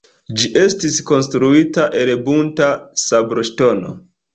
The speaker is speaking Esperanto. Ĝi estis konstruita el bunta sabloŝtono.